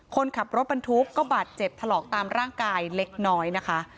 คนขับรถบรรทุกก็บาดเจ็บถลอกตามร่างกายเล็กน้อยนะคะ